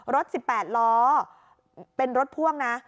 รถ๑๘ล้อเป็นรถพ่วงนะ